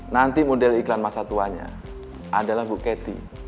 nanti model iklan masa tuanya adalah bu ketty